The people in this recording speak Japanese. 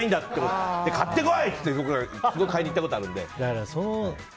買ってこい！って言って買いに行ったことあるんで。